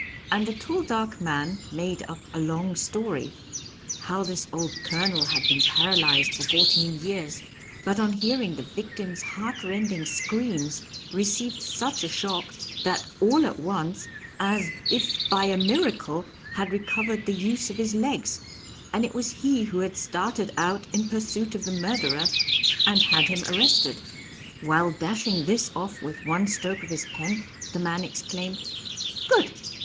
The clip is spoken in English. And the tall, dark man made up a long story. How this old Colonel had been paralyzed for fourteen years, but on hearing the victim's heartrending screams, received such a shock that all at once, as if by a miracle, had recovered the use of his legs; and it was he who had started out in pursuit of the murderer and had him arrested. "While dashing this off with one stroke of his pen, the man exclaimed: 'Good!